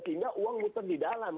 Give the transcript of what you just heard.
sehingga uang ngiter di daerah